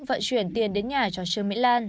vận chuyển tiền đến nhà cho trương mỹ lan